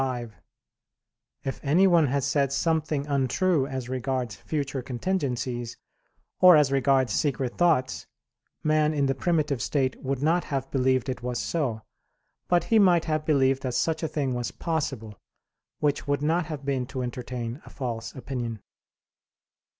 5: If anyone had said something untrue as regards future contingencies, or as regards secret thoughts, man in the primitive state would not have believed it was so: but he might have believed that such a thing was possible; which would not have been to entertain a false opinion.